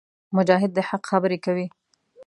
مجاهد د حق خبرې کوي.